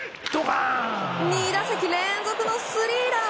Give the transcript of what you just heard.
２打席連続のスリーラン！